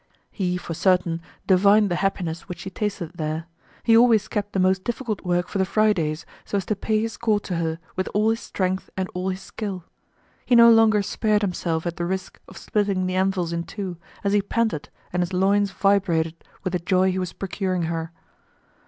He for certain, divined the happiness which she tasted there; he always kept the most difficult work for the Fridays, so as to pay his court to her with all his strength and all his skill; he no longer spared himself at the risk of splitting the anvils in two, as he panted and his loins vibrated with the joy he was procuring her.